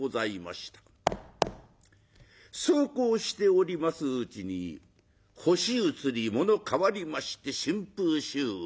そうこうしておりますうちに星移り物変わりまして春風秋雨。